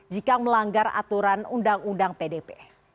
jika melanggar aturan undang undang pdp